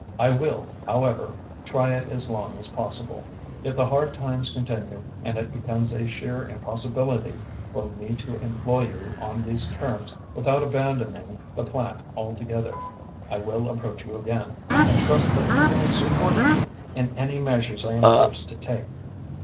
I will, however, try it as long as possible. If the hard times continue, and it becomes a sheer impossibility for me to employ you on these terms without abandoning the plant altogether, I will approach you again, and trust that you will support me in any measures I am forced to take.